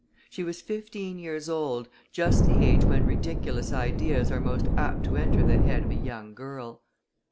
She was fifteen years old, just the age when ridiculous ideas are most apt to enter the head of a young girl.